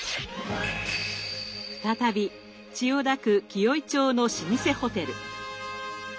再び千代田区紀尾井町の老舗ホテル。